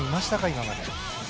今まで。